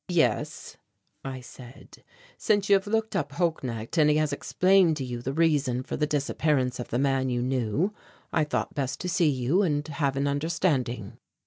"Yes," I said, "since you have looked up Holknecht and he has explained to you the reason for the disappearance of the man you knew, I thought best to see you and have an understanding."